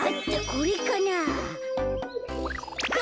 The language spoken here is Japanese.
これかなあ？